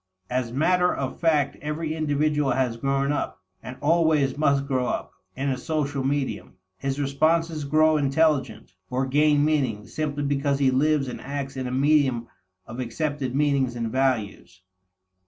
As matter of fact every individual has grown up, and always must grow up, in a social medium. His responses grow intelligent, or gain meaning, simply because he lives and acts in a medium of accepted meanings and values.